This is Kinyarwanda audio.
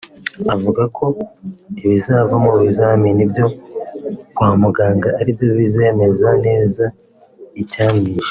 avuga ko ibizava mu bizamini byo kwa muganga ari byo bizemeza neza icyamwishe